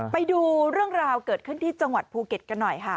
ไปดูเรื่องราวเกิดขึ้นที่จังหวัดภูเก็ตกันหน่อยค่ะ